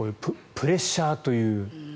プレッシャーという。